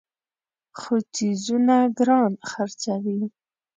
خو څیزونه ګران خرڅوي.